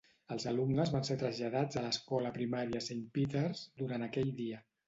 Els alumnes van ser traslladats a l'Escola Primària Saint Peters durant aquell dia.